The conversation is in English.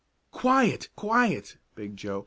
"Quiet! Quiet!" begged Joe.